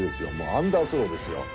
アンダースローですよ。